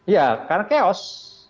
ya karena keos